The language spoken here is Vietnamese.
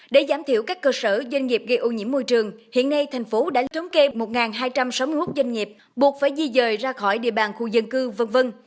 để giảm thiểu các cơ sở doanh nghiệp gây ô nhiễm môi trường hiện nay thành phố đã thống kê một hai trăm sáu mươi một doanh nghiệp buộc phải di dời ra khỏi địa bàn khu dân cư v v